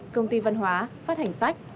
công ty văn hóa phát hành sách